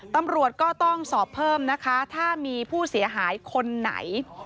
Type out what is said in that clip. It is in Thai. ตำรวจก็ต้องสอบเพิ่มนะคะถ้ามีผู้เสียหายคนไหน